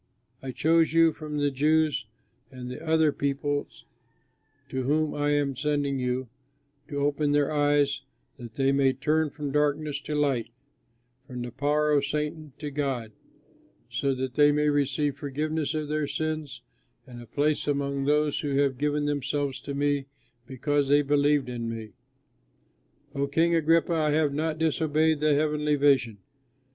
I chose you from the Jews and the other peoples to whom I am sending you to open their eyes, that they may turn from darkness to light, from the power of Satan to God, so that they may receive forgiveness of their sins and a place among those who have given themselves to me because they believe in me.' O, King Agrippa, I have not disobeyed the heavenly vision.